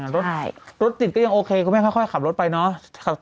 รถจิตก็ยังโอเคก็ไม่ค่อยขับรถไปเนอะ